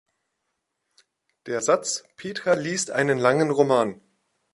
Der Satz "Petra liest einen langen Roman.